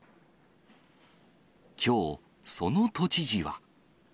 きょう、その都知事は。